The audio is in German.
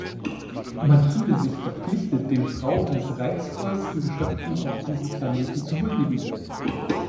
Man fühle sich verpflichtet, "den Frauen als reizvollsten Geschöpfen auf diesem Planeten zu huldigen".